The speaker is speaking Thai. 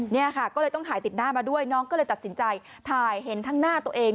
เนี่ยค่ะก็เลยต้องถ่ายติดหน้ามาด้วยน้องก็เลยตัดสินใจถ่ายเห็นทั้งหน้าตัวเอง